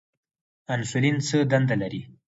انسولین څه دنده لري؟